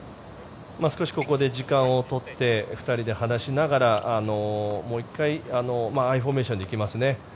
少しここで時間を取って２人で話しながらもう１回アイフォーメーションで行きますね。